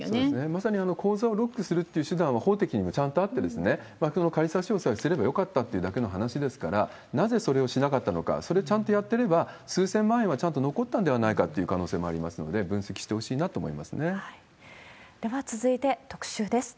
まさに口座をロックするっていう手段は法的にもちゃんとあって、の詳細を比べればよかっただけの話なんですけれども、なぜそれをしなかったのか、それをちゃんとやってれば、数千万円はちゃんと残ったんではないかっていう可能性もあるので、分析してほしいでは、続いて特集です。